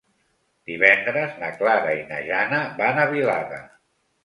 Divendres na Clara i na Jana van a Vilada.